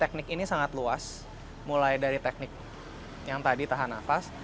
teknik ini sangat luas mulai dari teknik yang tadi tahan nafas